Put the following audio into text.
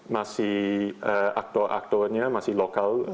masih aktor aktornya masih lokal